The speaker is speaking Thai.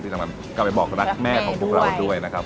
ที่ทั้งนั้นกลับไปบอกรักแม่ของพวกเราด้วยนะครับผม